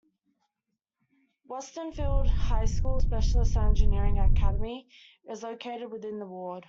Wednesfield High Specialist Engineering Academy is located within the ward.